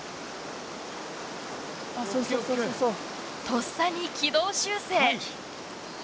とっさに軌道修正。